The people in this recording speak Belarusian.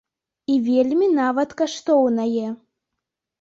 І вельмі нават каштоўнае.